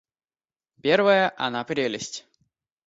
Первое — она прелесть!